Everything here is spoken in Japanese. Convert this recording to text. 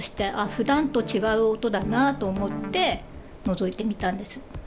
ふだんと違う音だなと思ってのぞいてみたんです。